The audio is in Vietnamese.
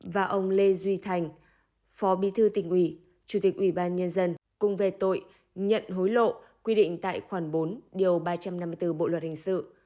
và ông lê duy thành phó bí thư tỉnh ủy chủ tịch ủy ban nhân dân cùng về tội nhận hối lộ quy định tại khoản bốn điều ba trăm năm mươi bốn bộ luật hình sự